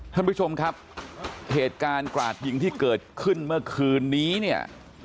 ท่านผู้ชมครับเหตุการณ์กราดยิงที่เกิดขึ้นเมื่อคืนนี้เนี่ย